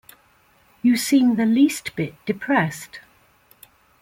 You seem the least bit depressed.